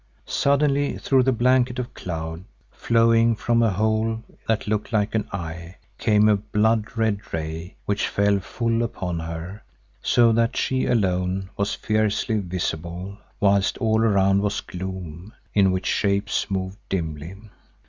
Suddenly, through the blanket of cloud, flowing from a hole in it that looked like an eye, came a blood red ray which fell full upon her, so that she alone was fiercely visible whilst all around was gloom in which shapes moved dimly.